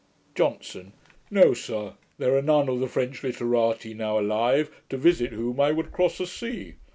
JOHNSON. 'No, sir; there are none of the French literati now alive, to visit whom I would cross a sea.